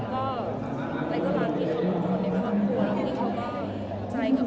ก็ทันการขอร้องเมื่อคุณว่าคุณเลยเลยเลยก็จะอย่าแล้วไม่กลับ